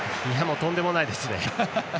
とんでもないですね。